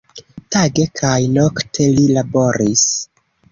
Tage kaj nokte li laboris.